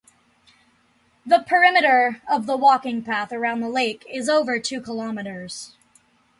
The perimeter of the walking path around the lake is over two kilometers.